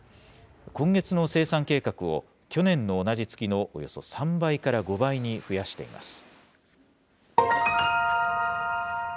今月の生産計画を去年の同じ月のおよそ３倍から５倍に増やしています。